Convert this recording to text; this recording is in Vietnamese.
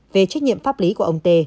về trách nhiệm pháp lý của ông tê